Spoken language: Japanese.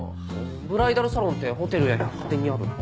ブライダルサロンってホテルや百貨店にある？